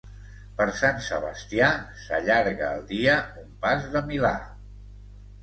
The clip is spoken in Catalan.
Per Sant Sebastià s'allarga el dia un pas de milà.